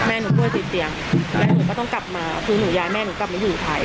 หนูป่วยติดเตียงแล้วหนูก็ต้องกลับมาคือหนูย้ายแม่หนูกลับมาอยู่ไทย